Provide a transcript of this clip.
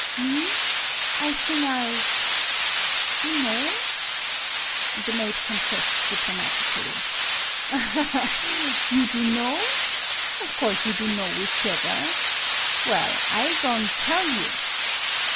" Me ? I thing I dun;/0," the maid con fessed diplomatically. "Aha, ha, ha! You dunwo? Of course you dunno whichever! Well I go'n' tell you."